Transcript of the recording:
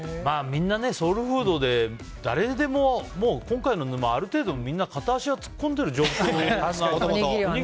みんなソウルフードで誰でも今回の沼、ある程度片足は突っ込んでる状況。